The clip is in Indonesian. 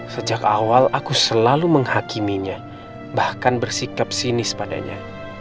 sejak awal aku selalu menghakiminya bahkan bersikap sinis padanya